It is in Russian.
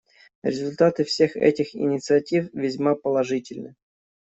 Результаты всех этих инициатив весьма положительны.